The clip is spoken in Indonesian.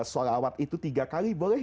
sholawat itu tiga kali boleh